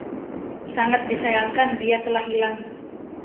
Sangat disayangkan dia telah hilang.